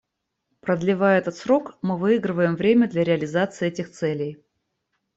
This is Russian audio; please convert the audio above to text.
Продлевая этот срок, мы выигрываем время для реализации этих целей.